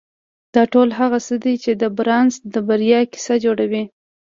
دا ټول هغه څه دي چې د بارنس د بريا کيسه جوړوي.